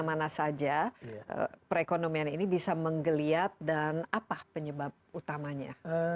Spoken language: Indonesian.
khususnya dari mana mana saja perekonomian ini bisa menggeliat dan apa penyebab utamanya